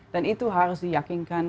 dan itu harus diyakinkan